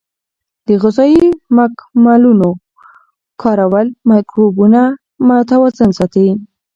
د غذایي مکملونو کارول مایکروبونه متوازن ساتي.